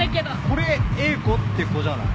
これＥＩＫＯって子じゃない？